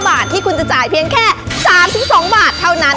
บาทที่คุณจะจ่ายเพียงแค่๓๒บาทเท่านั้น